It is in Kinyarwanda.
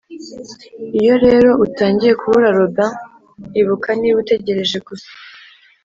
iyo rero utangiye kubura robin, ibuka niba utegereje gusa,